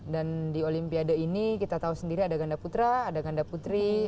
dan di olimpiade ini kita tahu sendiri ada ganda putra ada ganda putri